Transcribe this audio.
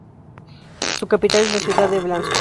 Su capital es la ciudad de Blansko.